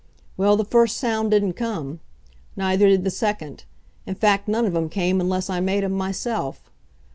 Well, the first sound didn't come. Neither did the second. In fact, none of 'em came unless I made 'em myself.